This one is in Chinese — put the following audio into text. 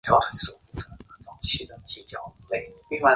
带硬壳的甲藻是由纤维素板片构成其外壳。